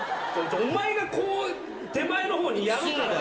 お前がこう、手前のほうにやるから。